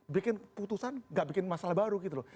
bikin putusan gak bikin masalah baru gitu loh